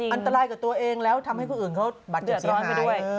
อันตรายกับตัวเองแล้วทำให้คนอื่นเขาบัดกับชีวิตหาย